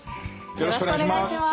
よろしくお願いします。